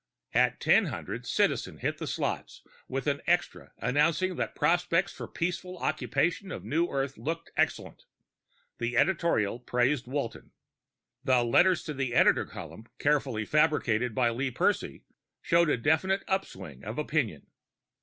At 1000, Citizen hit the slots with an extra announcing that prospects for peaceful occupation of New Earth looked excellent. The editorial praised Walton. The letters to the editor column, carefully fabricated by Lee Percy, showed a definite upswing of opinion.